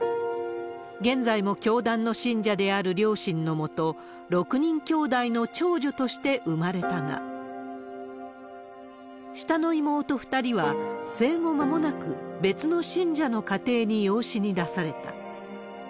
現在も教団の信者である両親の下、６人きょうだいの長女として生まれたが、下の妹２人は、生後まもなく別の信者の家庭に養子に出された。